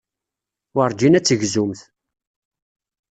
Werǧin ad tegzumt.